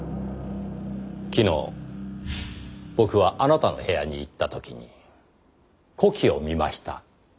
昨日僕はあなたの部屋に行った時に子機を見ました。